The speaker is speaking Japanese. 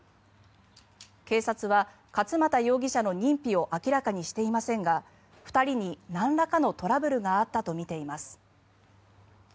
警察は勝又容疑者の認否を明らかにしていませんが２人になんらかのトラブルがあったとみています。